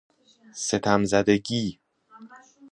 ستم زدگی